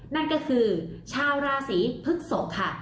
นั่นก็คือชาวราศีพฤกษกค่ะ